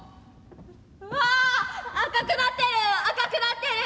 「わ赤くなってる赤くなってる。